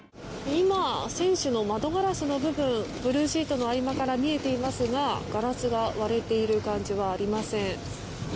今、船首の窓ガラスの部分ブルーシートの合間から見えていますがガラスが割れている感じはありません。